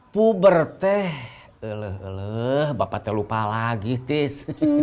puber teh eluh eluh bapak teh lupa lagi tis